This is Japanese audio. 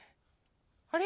あれ？